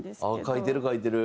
書いてる書いてる。